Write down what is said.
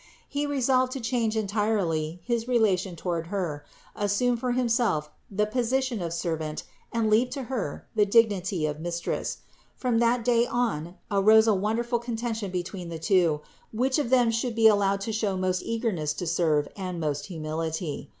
He resolved to change entirely his relation toward Her, assume for himself the position of servant and leave to Her the dignity of Mistress. From that day on arose a wonderful contention between the two, which of them should be allowed to show most eagerness to serve and most humility.